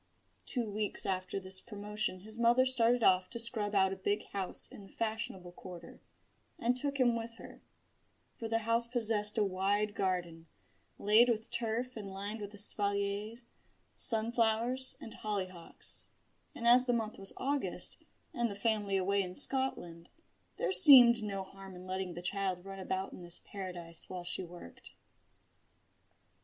Two weeks after this promotion his mother started off to scrub out a big house in the fashionable quarter, and took him with her: for the house possessed a wide garden, laid with turf and lined with espaliers, sunflowers, and hollyhocks, and as the month was August, and the family away in Scotland, there seemed no harm in letting the child run about in this paradise while she worked.